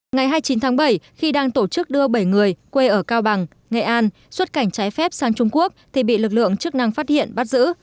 ngày hai mươi chín tháng bảy khi đang tổ chức đưa bảy người quê ở cao bằng nghệ an xuất cảnh trái phép sang trung quốc thì bị lực lượng chức năng phát hiện bắt giữ